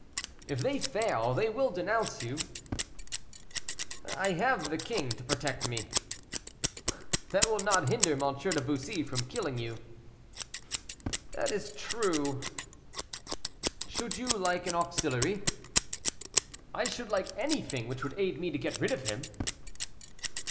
"If they fail they will denounce you." "I have the king to protect me." "That will not hinder M. de Bussy from killing you." "That is true." "Should you like an auxiliary?" "I should like anything which would aid me to get rid of him."